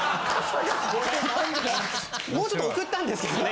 もうちょっと送ったんですけどね